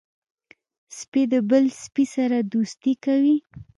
سپي د بل سپي سره دوستي کوي.